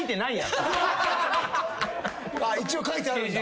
一応書いてあるんだ？